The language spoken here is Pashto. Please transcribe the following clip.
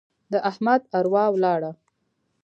د احمد اروا ولاړه.